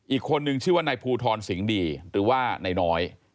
อีกคนนึงชื่อว่านายภูทรสิงห์ดีหรือว่านายน้อย